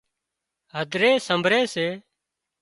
هڌري سمڀري سي